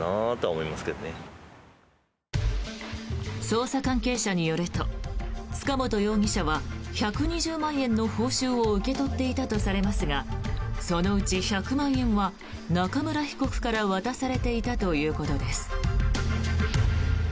捜査関係者によると塚本容疑者は１２０万円の報酬を受け取っていたとされますがそのうち１００万円は中村被告から渡されていたということです。